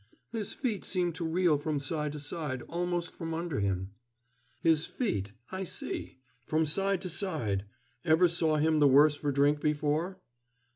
"His feet seemed to reel from side to side almost from under him." "His feet I see. From side to side.... Ever saw him the worse for drink before?"